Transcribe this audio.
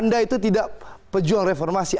anda itu tidak pejuang reformasi